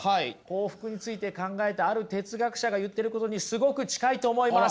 幸福について考えたある哲学者が言ってることにすごく近いと思います。